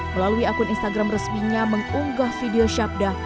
melalui akun instagram resminya mengunggah video syabda